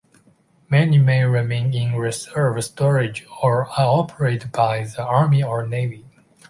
Many may remain in reserve storage or are operated by the Army or Navy.